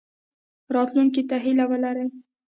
راتلونکي ته هیله ولرئ